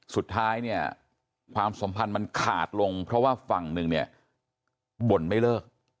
สุดท้ายเนี่ยความสัมพันธ์มันขาดลงเพราะว่าฝั่งหนึ่งเนี่ยบ่นไม่เลิก